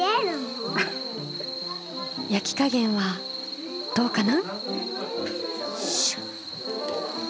焼き加減はどうかな？